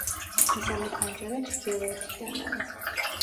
მესამე ფანჯარა ჩრდილოეთიდანაა.